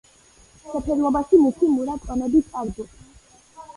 შეფერილობაში მუქი მურა ტონები ჭარბობს.